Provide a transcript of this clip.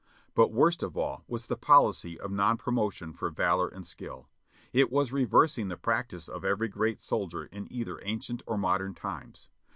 But worst of all was the policy of non promotion for valor and skill. It was reversing the practice of every great soldier in either ancient or modern times.